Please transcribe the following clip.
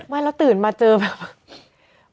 ไม่แล้วตื่นมาเจอแบบ